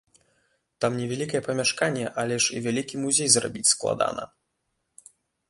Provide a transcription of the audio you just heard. Там невялікае памяшканне, але ж і вялікі музей зрабіць складана.